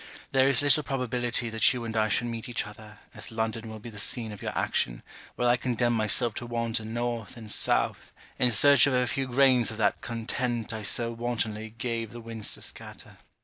There is little probability that you and I should meet each other, as London will be the scene of your action, while I condemn myself to wander north and south, in search of a few grains of that content I so wantonly gave the winds to scatter.